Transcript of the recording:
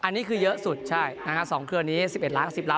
อันนี้คือเยอะสุดใช่๒เครือนี้๑๑ล้าน๑๐ล้าน